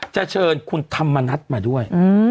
เชิญคุณธรรมนัฐมาด้วย